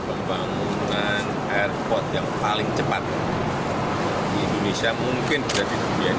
pembangunan airport yang paling cepat di indonesia mungkin sudah di dunia ini